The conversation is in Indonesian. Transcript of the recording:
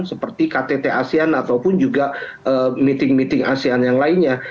seperti ktt asean ataupun juga meeting meeting asean yang lainnya